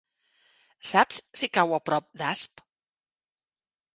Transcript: Saps si cau a prop d'Asp?